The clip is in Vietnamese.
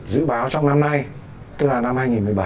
dự báo trong năm nay tức là năm hai nghìn một mươi bảy